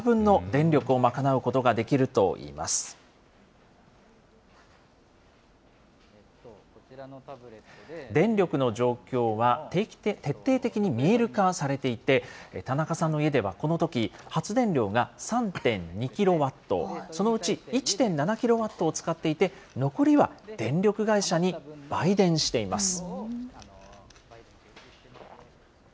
電力の状況は徹底的に見える化されていて、田中さんの家では、このとき、発電量が３．２キロワット、そのうち１．７キロワットを使っていて、残りは電力会社に売電しています。